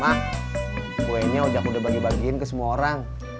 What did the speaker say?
mak kuenya ojak udah bagi bagiin ke semua orang